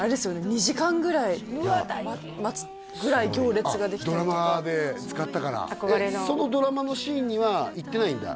２時間ぐらい待つぐらい行列ができてドラマで使ったからそのドラマのシーンには行ってないんだ